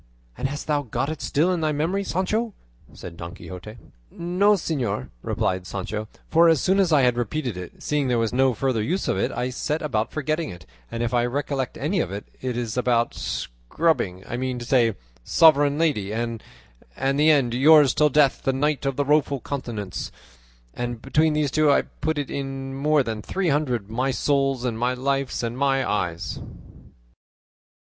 "And hast thou got it still in thy memory, Sancho?" said Don Quixote. "No, señor," replied Sancho, "for as soon as I had repeated it, seeing there was no further use for it, I set about forgetting it; and if I recollect any of it, it is that about 'Scrubbing,' I mean to say 'Sovereign Lady,' and the end 'Yours till death, the Knight of the Rueful Countenance;' and between these two I put into it more than three hundred 'my souls' and 'my life's' and 'my eyes."